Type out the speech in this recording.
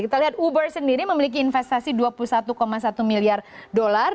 kita lihat uber sendiri memiliki investasi dua puluh satu satu miliar dolar